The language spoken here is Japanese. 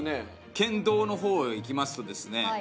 県道の方へ行きますとですね